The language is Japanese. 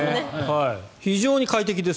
非常に快適です。